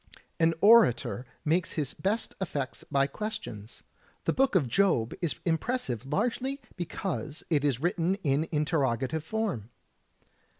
An orator makes his best effects by questions. The Book of Job is impressive largely because it is written in interroga tive form.